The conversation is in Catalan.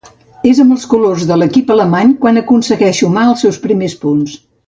És amb els colors de l'equip alemany quan aconsegueix sumar els seus primers punts.